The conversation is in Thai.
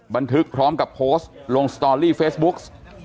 บันทึกพร้อมกับโพสต์ลงสตอรี่เฟซบุ๊ก